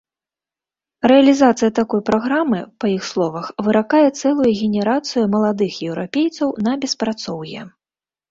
Рэалізацыя такой праграмы, па іх словах, выракае цэлую генерацыю маладых еўрапейцаў на беспрацоўе.